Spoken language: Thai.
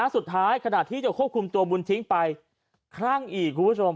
สุดท้ายขณะที่จะควบคุมตัวบุญทิ้งไปครั้งอีกครับคุณผู้ชม